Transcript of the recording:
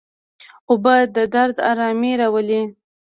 اوبه د درد آرامي راولي.